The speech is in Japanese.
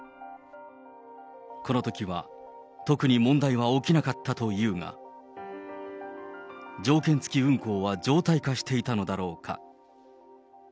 このときは、特に問題は起きなかったというが、条件付き運航は常態化していたのだろうか。